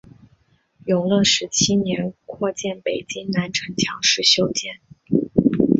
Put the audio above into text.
永乐十七年扩建北京南城墙时修建。